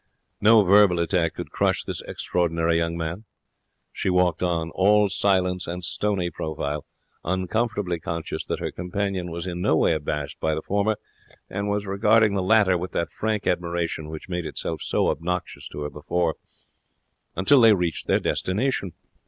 No verbal attack could crush this extraordinary young man. She walked on, all silence and stony profile, uncomfortably conscious that her companion was in no way abashed by the former and was regarding the latter with that frank admiration which had made itself so obnoxious to her before, until they reached their destination.